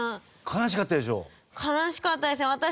悲しかったでしょ？